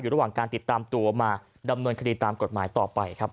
ระหว่างการติดตามตัวมาดำเนินคดีตามกฎหมายต่อไปครับ